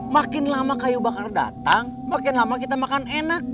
makin lama kayu bakar datang makin lama kita makan enak